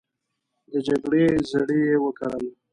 د جګړې زړي یې وکرل